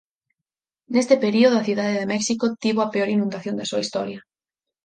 Neste período a cidade de México tivo a peor inundación da súa historia.